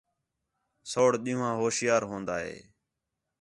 سَوڑ ݙِین٘ہوں آ ہوشیار ہون٘دا ہِے